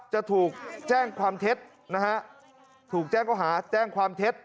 จะถูกแจ้งความเท็จถูกแจ้งความเท็จ